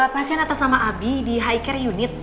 pasien atas nama abi di high care unit